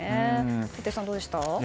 立石さん、どうでした？